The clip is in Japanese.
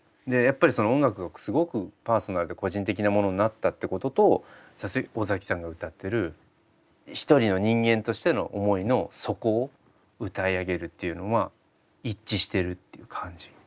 やっぱり音楽がすごくパーソナルで個人的なものになったってことと尾崎さんが歌ってる一人の人間としての思いの底を歌い上げるっていうのは一致してるっていう感じ。